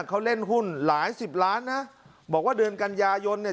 เขาเล่นหุ้นหลายสิบล้านนะบอกว่าเดือนกันยายนเนี่ย